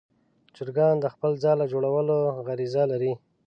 چرګان د خپل ځاله جوړولو غریزه لري.